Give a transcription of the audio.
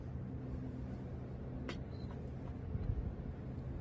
დეპორტირებულების გადაყვანა ყირიმელი თათრებისა და რუსების წყაროებში სხვადასხვაგვარადაა აღწერილი.